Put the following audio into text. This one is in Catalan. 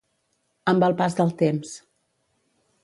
Amb el pas del temps.